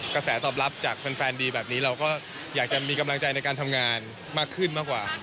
กระแสตอบรับจากแฟนดีแบบนี้เราก็อยากจะมีกำลังใจในการทำงานมากขึ้นมากกว่า